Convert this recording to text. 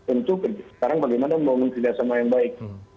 untuk sekarang bagaimana membangun kerjasama yang baik